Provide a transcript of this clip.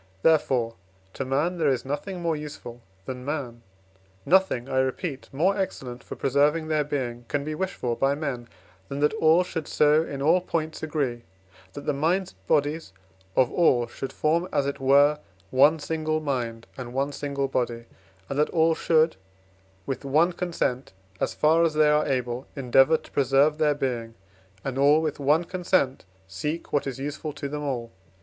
Therefore, to man there is nothing more useful than man nothing, I repeat, more excellent for preserving their being can be wished for by men, than that all should so in all points agree, that the minds and bodies of all should form, as it were, one single mind and one single body, and that all should, with one consent, as far as they are able, endeavour to preserve their being, and all with one consent seek what is useful to them all.